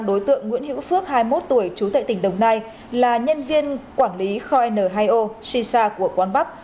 và đối tượng nguyễn hiễu phước hai mươi một tuổi chú tệ tỉnh đồng nai là nhân viên quản lý kho n hai o sisa của quán bắp